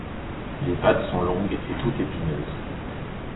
Les pattes sont longues et toutes épineuses.